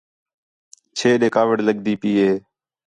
چھے ݙے کاوِڑ لڳدی پئی ہِے